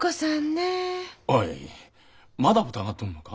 おいまだ疑っとんのか？